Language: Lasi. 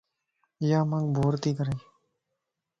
يا مانک بورتي ڪري